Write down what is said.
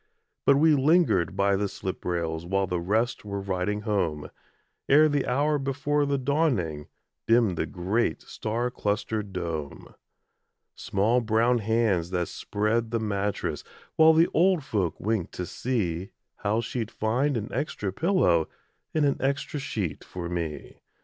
But we lingered by the slip rails While the rest were riding home, Ere the hour before the dawning, Dimmed the great star clustered dome. Small brown hands that spread the mattress While the old folk winked to see How she'd find an extra pillow And an extra sheet for me.